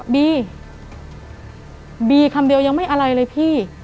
บีบีคำเดียวยังไม่อะไรเลยพี่